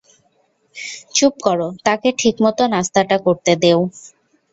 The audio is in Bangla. চুপ কর, তাকে ঠিক মতো নাস্তাটা করতে দেও।